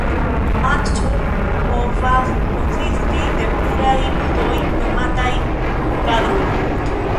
Matĉo povas konsisti el pluraj ludoj nomataj "kadroj".